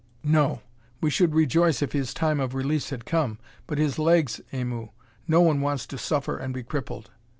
"No. We should rejoice if his time of release had come. But his legs, Aimu! No one wants to suffer and be crippled."